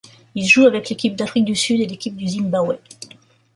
Il joue avec l'équipe d'Afrique du Sud et l'équipe du Zimbabwe.